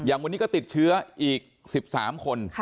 วันนี้ก็ติดเชื้ออีก๑๓คน